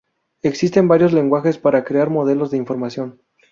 Existen varios lenguajes para crear modelos de información.